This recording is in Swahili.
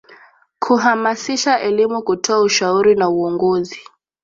kuhamasisha elimu kutoa ushauri na uongozi